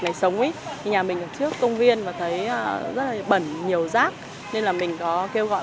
này sống ý thì nhà mình ở trước công viên mà thấy rất là bẩn nhiều rác nên là mình có kêu gọi